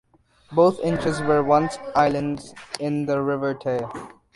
Both Inches were once islands in the River Tay.